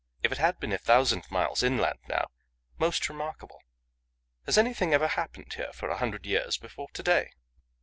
If it had been a thousand miles inland now most remarkable! Has anything ever happened here for a hundred years before to day?"